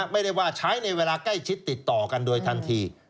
ไม่ได้ว่าใช้ในเวลาใกล้ชิดติดต่อกันโดยทันที